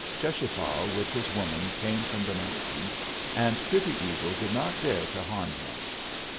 Cheschapah with his woman came from the mountains, and Pretty Eagle did not dare to harm him.